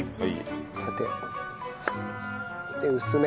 縦。で薄め。